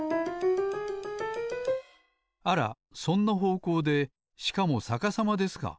あらそんなほうこうでしかもさかさまですか。